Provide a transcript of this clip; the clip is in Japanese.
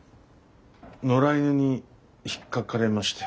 野良犬にひっかかれまして。